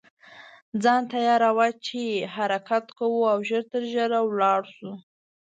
ځان تیاروه چې حرکت کوو او ژر تر ژره لاړ شو.